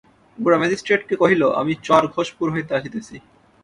গোরা ম্যাজিস্ট্রেটকে কহিল, আমি চর-ঘোষপুর হইতে আসিতেছি।